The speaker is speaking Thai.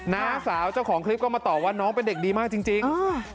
น้าสาวเจ้าของคลิปก็มาตอบว่าน้องเป็นเด็กดีมากจริง